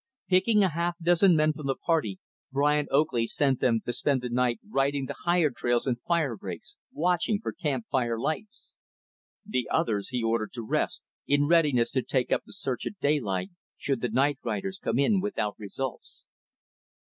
Picking a half dozen men from the party, Brian Oakley sent them to spend the night riding the higher trails and fire breaks, watching for camp fire lights. The others, he ordered to rest, in readiness to take up the search at daylight, should the night riders come in without results.